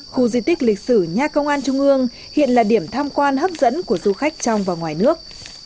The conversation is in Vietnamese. khu di tích lịch sử nhà công an trung ương hiện là điểm tham quan hấp dẫn của du khách trong và ngoài nước